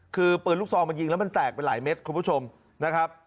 คือปืนลูกซองมันยิงแล้วมันแตกไปหลายเม็ดคุณผู้ชมนะครับ